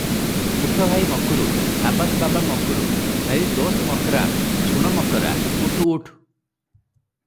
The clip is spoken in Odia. “ଉଠ ଭାଇ ମକ୍ରୁ! ସାବାସ ବାବା ମକ୍ରୁ! ମେରି ଦୋସ୍ତ ମକ୍ରାମ୍! ଶୁଣ ମକ୍ରା, ଉଠ, ଉଠ ।